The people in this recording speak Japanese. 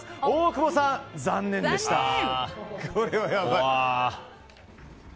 大久保さん、残念でした。